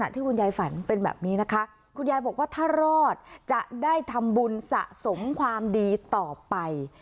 ทำบุญสะสมความดีต่อไป